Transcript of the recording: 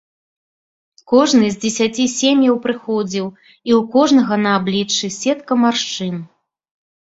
Кожны з дзесяці сем'яў прыходзіў, і ў кожнага на абліччы сетка маршчын.